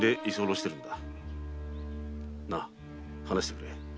なあ話してくれ。